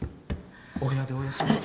お部屋でお休みに。